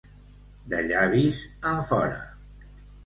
De llavis enfora.